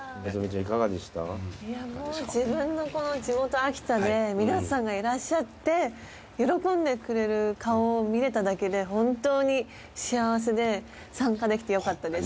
いや、もう自分の地元、秋田で、皆さんがいらっしゃって、喜んでくれる顔を見れただけで、本当に幸せで、参加できてよかったです。